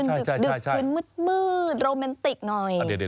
ดึกคืนมืดโรแมนติกหน่อย